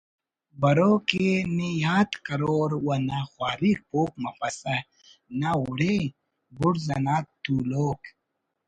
برو کہ نے یات کرور و نا خواریک پوک مفسہ نہ اُڑے (بڑز انا تولوک